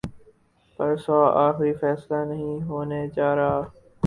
پرسوں آخری فیصلہ نہیں ہونے جارہا۔